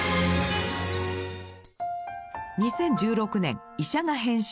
２０１６年医者が変身！